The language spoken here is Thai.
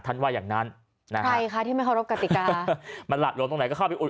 ว่าอย่างนั้นนะใครคะที่ไม่เคารพกติกามันหละหลวมตรงไหนก็เข้าไปอุด